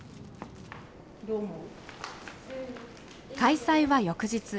開催は翌日。